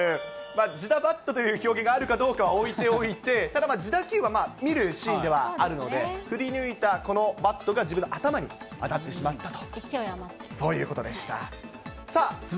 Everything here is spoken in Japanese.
自打バットという表現があるかどうかは置いておいて、ただまあ、自打球は見るシーンではあるので、振り抜いたこのバットが自分の頭に当たってしまった。